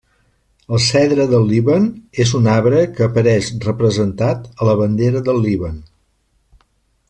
El Cedre del Líban, és un arbre que apareix representat a la Bandera del Líban.